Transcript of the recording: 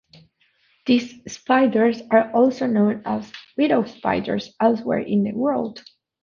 These spiders are also known as widow spiders elsewhere in the world.